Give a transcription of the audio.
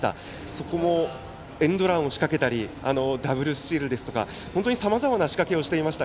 そこもエンドランを仕掛けたりダブルスチールですとかさまざまな仕掛けをしていました。